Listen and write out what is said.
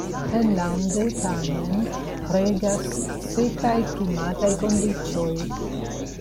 Enlande tamen regas sekaj klimataj kondiĉoj.